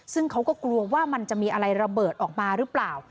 ซึ่งเขาก็กลัวว่ามันจะมีอะไรระเบิดออกมาหรือเปล่า